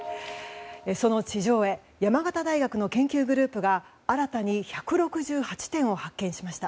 その地上絵山形大学の研究グループが新たに１６８点を発見しました。